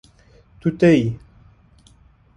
Tu têyî